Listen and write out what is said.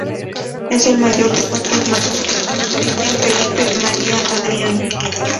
Es el mayor de cuatro hermanos, que son Cristian, Felipe y Maria Adriana.